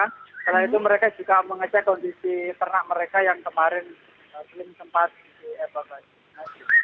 setelah itu mereka juga mengecek kondisi ternak mereka yang kemarin paling sempat di evakuasi